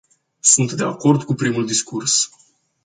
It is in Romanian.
Sunt de acord cu primul discurs.